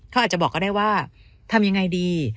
เขาอาจจะบอกก็ได้ว่าทำยังไงดี